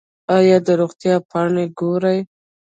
ایا د روغتیا پاڼې ګورئ؟